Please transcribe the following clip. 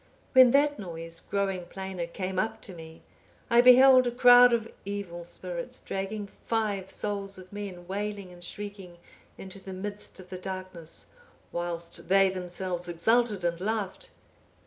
When that noise, growing plainer, came up to me, I beheld a crowd of evil spirits dragging five souls of men, wailing and shrieking, into the midst of the darkness, whilst they themselves exulted and laughed.